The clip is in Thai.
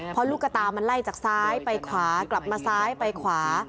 เพราะลูกกระตามันไล่จากซ้ายไปขวากลับมาซ้ายไปขวา